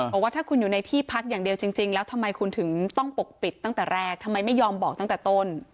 บอกว่าถ้าคุณอยู่ในที่พักอย่างเดียวจริงแล้วทำไมคุณถึงต้องปกปิดตั้งแต่แรกทำไมไม่ยอมบอกตั้งแต่ต้น